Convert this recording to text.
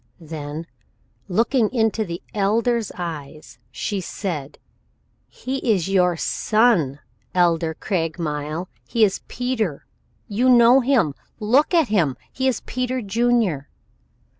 Then, looking into the Elder's eyes, she said: "He is your son, Elder Craigmile. He is Peter. You know him. Look at him. He is Peter Junior."